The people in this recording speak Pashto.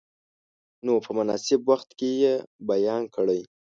نو په مناسب وخت کې یې بیان کړئ.